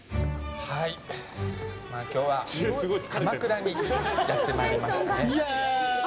今日は鎌倉にやってまいりましたね。